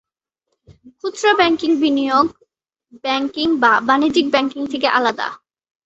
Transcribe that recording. খুচরা ব্যাংকিং বিনিয়োগ ব্যাংকিং বা বাণিজ্যিক ব্যাংকিং থেকে আলাদা।